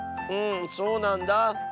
うんそうなんだ。